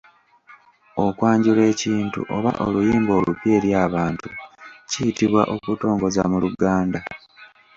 Okwanjula ekintu oba oluyimba olupya eri abantu kiyitibwa okutongoza mu luganda.